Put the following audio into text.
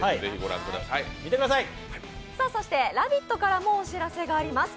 「ラヴィット！」からもお知らせがあります。